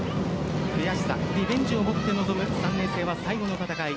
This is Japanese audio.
悔しさ、リベンジを持って臨む３年生は最後の戦い。